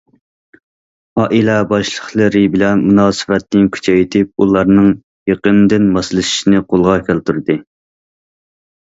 ئائىلە باشلىقلىرى بىلەن مۇناسىۋەتنى كۈچەيتىپ، ئۇلارنىڭ يېقىندىن ماسلىشىشىنى قولغا كەلتۈردى.